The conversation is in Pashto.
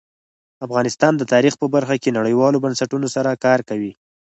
افغانستان د تاریخ په برخه کې نړیوالو بنسټونو سره کار کوي.